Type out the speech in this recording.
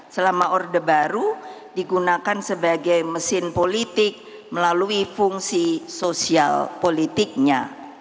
selama orde baru digunakan sebagai mesin politik melalui fungsi sosial politiknya